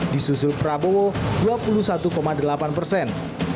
di susul prabowo dua puluh satu delapan persen